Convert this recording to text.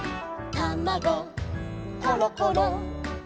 「たまごころころ」